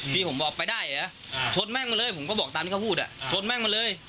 พี่ผมบอกไปได้เหรอชนแม่งมาเลยผมก็บอกตามที่เขาพูดชนแม่งมาเลย